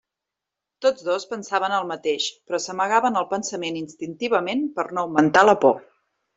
Tots dos pensaven el mateix, però s'amagaven el pensament instintivament per no augmentar la por.